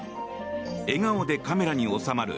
笑顔でカメラに収まる